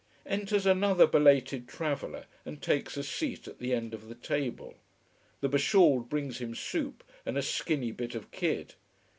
Enters another belated traveller, and takes a seat at the end of the table. The be shawled brings him soup and a skinny bit of kid.